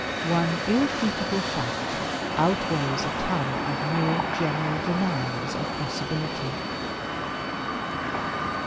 One irrefutable fact outweighs a ton of mere general denials of possibility.